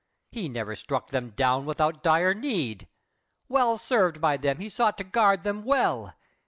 He never struck them down without dire need! Well served by them, he sought to guard them well.